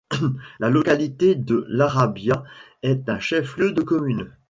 La localité de Larabia est un chef-lieu de commune.